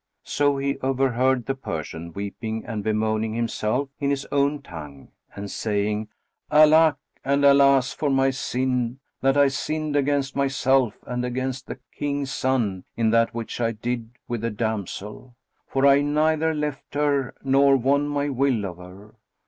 So he overheard the Persian weeping and bemoaning himself, in his own tongue, and saying, "Alack, and alas for my sin, that I sinned against myself and against the King's son, in that which I did with the damsel; for I neither left her nor won my will of her!